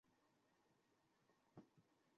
তোমাদের এটা করতে হবে নাহলে তোমারা সবাই ফেল।